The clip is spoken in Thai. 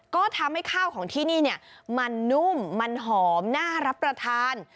ก็ทำให้ข้าวของที่นี่เนี่ยมันนุ่มมันหอมน่ารับประทาน